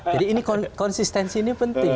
jadi konsistensi ini penting